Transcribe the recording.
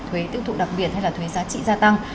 thuế tiêu thụ đặc biệt hay là thuế giá trị gia tăng